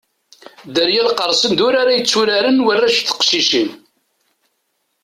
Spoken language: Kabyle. Dderya Iqersen d urar ay tturaren warrac d teqcicin.